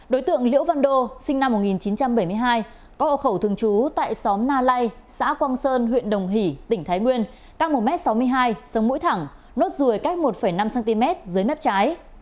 đối tượng liễu văn đô sinh năm một nghìn chín trăm bảy mươi hai có hậu khẩu thường trú tại xóm na lai xã quang sơn huyện đồng hỷ tỉnh thái nguyên càng một m sáu mươi hai sông mũi thẳng nốt rùi cách một năm cm dưới mép trái